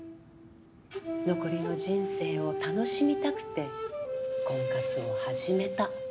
残りの人生を楽しみたくて婚活を始めた。